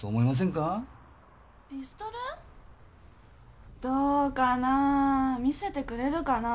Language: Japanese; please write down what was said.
・ピストル？どうかな見せてくれるかな？